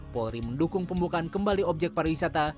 polri mendukung pembukaan kembali objek pariwisata